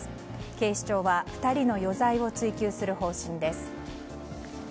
警視庁は２人の余罪を追及する方針です。